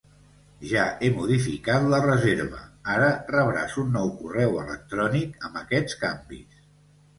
Ja he modificat la reserva, ara rebràs un nou correu electrònic amb aquests canvis.